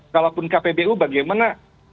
kalaupun kpbu bagaimana